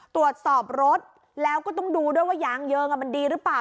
ตรวจสอบรถแล้วก็ต้องดูด้วยว่ายางเยิงมันดีหรือเปล่า